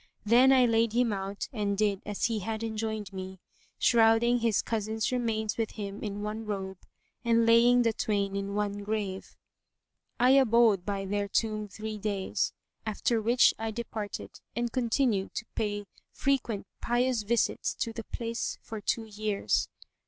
Then I laid him out and did as he had enjoined me, shrouding his cousin's remains with him in one robe and laying the twain in one grave. I abode by their tomb three days, after which I departed and continued to pay frequent pious visits[FN#140] to the place for two years.